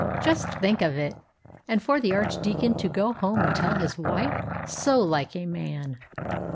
Just think of it! And for the Archdeacon to go home and tell his wife! So like a man!